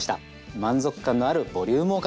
満足感のあるボリュームおかずです！